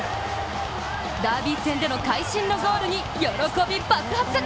ダービー戦での会心のゴールに喜び爆発！